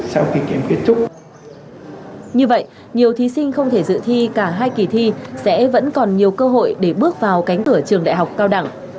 sau khi kết quả thi nhiều thí sinh không thể dự thi cả hai kỳ thi sẽ vẫn còn nhiều cơ hội để bước vào cánh cửa trường đại học cao đẳng